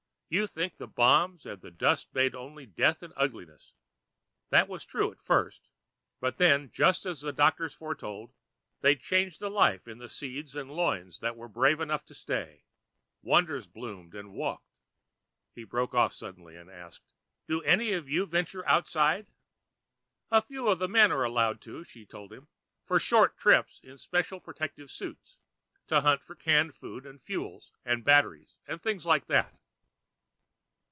"You think the bombs and the dust made only death and ugliness. That was true at first. But then, just as the doctors foretold, they changed the life in the seeds and loins that were brave enough to stay. Wonders bloomed and walked." He broke off suddenly and asked, "Do any of you ever venture outside?" "A few of the men are allowed to," she told him, "for short trips in special protective suits, to hunt for canned food and fuels and batteries and things like that."